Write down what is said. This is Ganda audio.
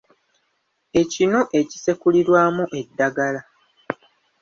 Ekinu ekisekulirwamu eddagala.